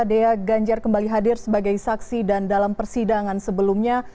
dea ganjar kembali hadir sebagai saksi dan dalam persidangan sebelumnya